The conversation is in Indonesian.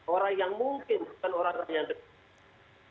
orang yang mungkin bukan orang orang yang dekat